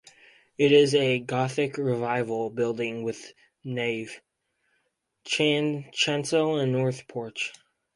It is a Gothic Revival building with nave, chancel and north porch.